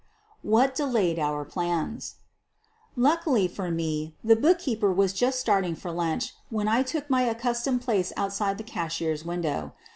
WHAK DELAYED OUR PLANS Luckily for me the bookkeeper was just starting for lunch when T took my accustomed place outside the cashier's window.